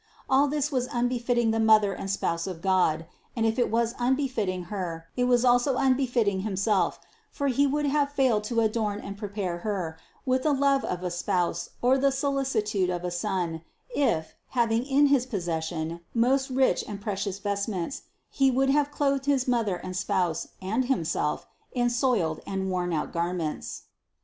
All this was unbefitting the Mother and Spouse of God, and if it was unbefitting Her, it was also unbefitting Himself ; for He would have failed to adorn and prepare Her, with the love of a Spouse, or the solicitude of a Son, if, having in his pos session most rich and precious vestments, He would have clothed his Mother and Spouse, and Himself, in soiled and worn out garments.